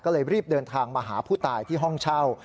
ก็เลยรีบเดินทางมาหาผู้ตายที่ห้องเช่า